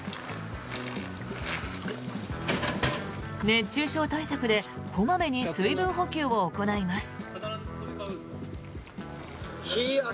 熱中症対策で小まめに水分補給を行います。